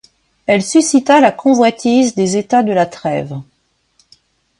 Elle suscita la convoitise des États de la Trêve.